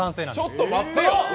ちょっと待ってよ。